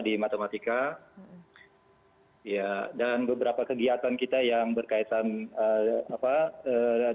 di matematika iya dan beberapa kegiatan kita yang berkaitan kenapa dengan penyelidikan maka